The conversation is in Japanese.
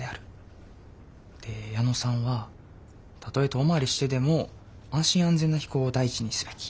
で矢野さんはたとえ遠回りしてでも安心安全な飛行を第一にすべき。